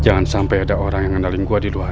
jangan sampai ada orang yang ngandalin gue di luar